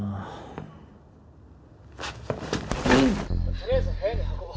とりあえず部屋に運ぼう。